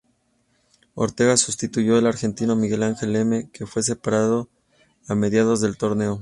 Ortega sustituyó al argentino Miguel Angel Lemme, que fue separado a mediados del torneo.